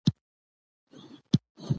په صادقانه خدمت سره هیواد ودانېدای شي.